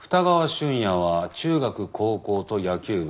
瞬也は中学高校と野球部。